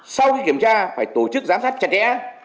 sau khi kiểm tra phải tổ chức giám sát chặt chẽ